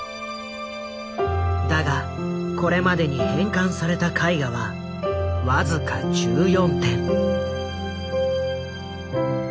だがこれまでに返還された絵画は僅か１４点。